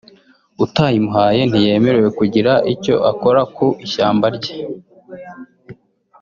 utayimuhaye ntiyemerewe kugira icyo akora ku ishyamba rye